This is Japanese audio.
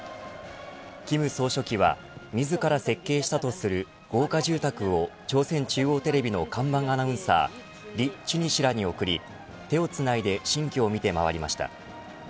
金総書記は自ら設計したとする豪華住宅を朝鮮中央テレビの看板アナウンサー李春姫氏らに贈り手をつないで新居を見て回りました。